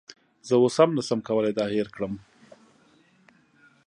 زه اوس هم نشم کولی دا هیر کړم